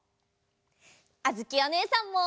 あづきおねえさんも！